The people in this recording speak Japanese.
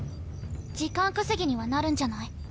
時間稼ぎにはなるんじゃない？